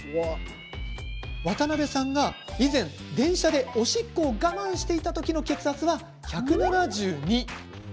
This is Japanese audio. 渡辺さんは以前電車でおしっこを我慢していた時血圧は１７２。